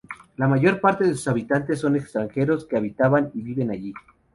La mayor parte de sus habitantes son extranjeros que trabajan y viven allí.